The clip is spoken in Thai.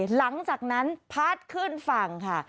หลังจากนั้นพัดขึ้นฝั่งค่ะ